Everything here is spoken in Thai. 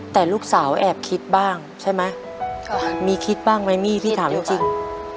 แต่ลูกสาวแอบคิดบ้างใช่ไหมมีคิดบ้างไหมมี่พี่ถามจริง